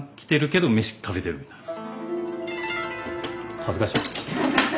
恥ずかしい。